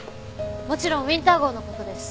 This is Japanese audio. もちろんウィンター号の事です。